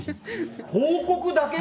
報告だけ？